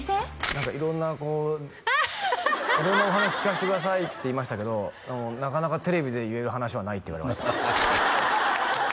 何か色んなこう色んなお話聞かせてくださいって言いましたけどなかなかテレビで言える話はないって言われました